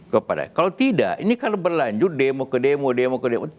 kepada kalau tidak ini kalau berlanjut demo ke demo demo ke demo